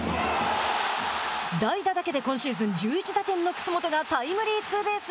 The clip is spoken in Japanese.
代打だけで今シーズン１１打点の楠本がタイムリーツーベース。